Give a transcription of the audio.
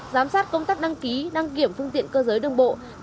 giám sát công tác đăng ký đăng kiểm phương tiện cơ giới đường bộ